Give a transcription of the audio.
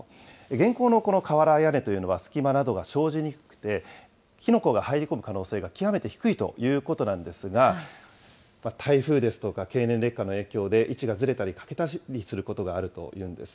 現行のこの瓦屋根というのは、隙間などが生じにくくて、火の粉が入り込む可能性が極めて低いということなんですが、台風ですとか経年劣化の影響で、位置がずれたり欠けたりすることがあるというんです。